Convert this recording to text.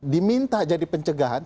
diminta jadi penjegahan